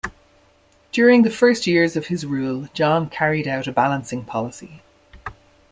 During the first years of his rule John carried out a balancing policy.